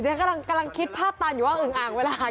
ฉันกำลังคิดภาพตาลอยู่ว่าอึ้งอ่างไปแล้วค่ะ